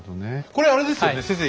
これあれですよね先生。